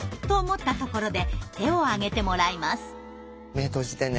目閉じてね。